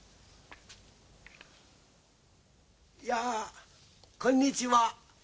いやこんにちは。